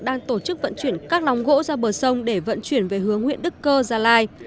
đang tổ chức vận chuyển các lòng gỗ ra bờ sông để vận chuyển về hướng huyện đức cơ gia lai